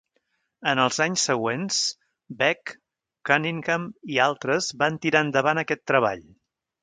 En els anys següents, Beck, Cunningham i altres van tirar endavant aquest treball.